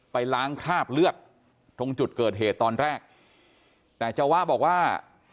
ไปล้างคราบเลือดตรงจุดเกิดเหตุตอนแรกแต่เจ้าวะบอกว่า